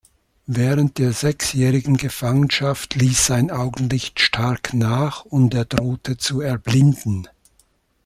Während der sechsjährigen Gefangenschaft ließ sein Augenlicht stark nach und er drohte zu erblinden.